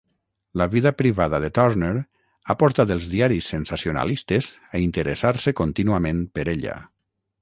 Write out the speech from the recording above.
La vida privada de Turner ha portar els diaris sensacionalistes a interessar-se contínuament per ella.